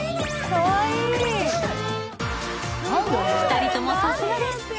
２人ともさすがです。